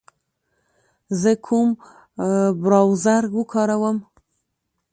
زه کوم براوزر و کاروم